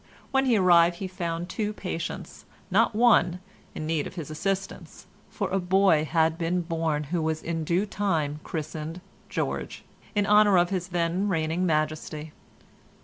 When he arrived he found two patients, not one, in need of his assistance, for a boy had been born who was in due time christened George, in honour of his then reigning majesty.